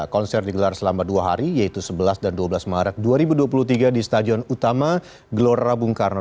konser digelar selama dua hari yaitu sebelas dan dua belas maret dua ribu dua puluh tiga di stadion utama gelora bung karno